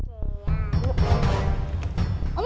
aku harus menyelamatkan bella